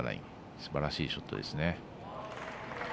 すばらしいショットですね。